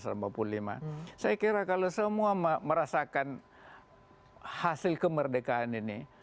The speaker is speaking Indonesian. saya kira kalau semua merasakan hasil kemerdekaan ini